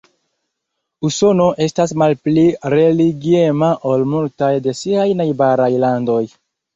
Usono estas malpli religiema ol multaj de siaj najbaraj landoj.